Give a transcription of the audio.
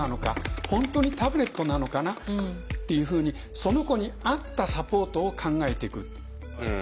本当にタブレットなのかなっていうふうにその子に合ったサポートを考えていく。